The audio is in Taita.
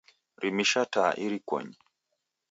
Rimisha taa irikonyi.